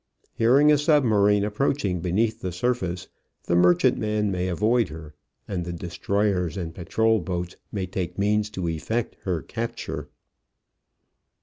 Hearing a submarine approaching beneath the surface, the merchantman may avoid her and the destroyers and patrol boats may take means to effect her capture.